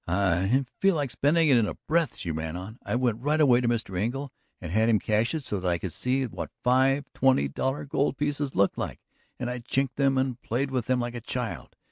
"I feel like spending it all in a breath," she ran on. "I went right away to Mr. Engle and had him cash it so that I could see what five twenty dollar gold pieces looked like. And I chinked them and played with them like a child!